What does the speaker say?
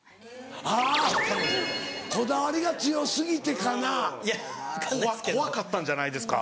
あぁこだわりが強過ぎてかな？怖かったんじゃないですか。